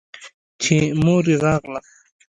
چې مور يې راغله.